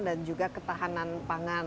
dan juga ketahanan pangan